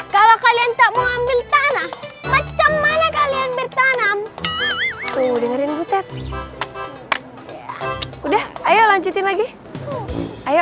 kalau kalian tak mau ambil tanah macam mana kalian bertanam ayo dengerin butet udah ayo lanjutin lagi ayo